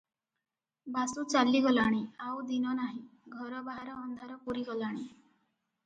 ବାସୁ ଚାଲି ଗଲାଣି, ଆଉ ଦିନ ନାହିଁ, ଘର ବାହାର ଅନ୍ଧାର ପୂରି ଗଲାଣି ।